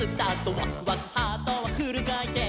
「ワクワクハートはフルかいてん」